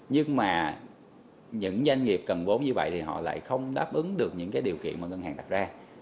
nhưng mà những doanh nghiệp cần vốn như vậy thì họ lại không đáp ứng được những điều kiện mà ngân hàng đặt ra